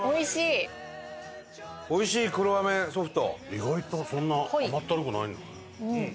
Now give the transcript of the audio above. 意外とそんな甘ったるくないんだね。